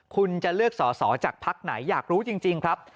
คุณจะเลือกสอสอจากภักดิ์ไหนอยากรู้จริงครับ